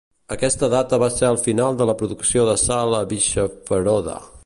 Aquesta data va ser el final de la producció de sal a Bischofferode.